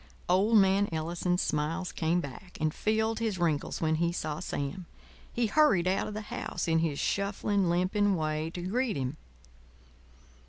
Old man Ellison's smiles came back and filled his wrinkles when he saw Sam. He hurried out of the house in his shuffling, limping way to greet him.